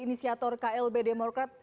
inisiator klb demokrat